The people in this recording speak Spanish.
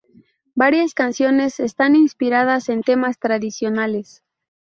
Varias canciones están inspiradas en temas tradicionales.